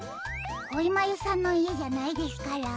こいまゆさんのいえじゃないですから。